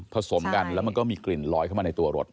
สมกันแล้วมันก็มีกลิ่นลอยเข้ามาในตัวรถ